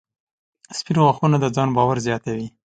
• سپین غاښونه د ځان باور زیاتوي.